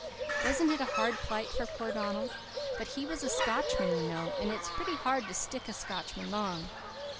"Wasn't it a hard plight for poor Donald? But he was a Scotchman, you know, and it's pretty hard to stick a Scotchman long.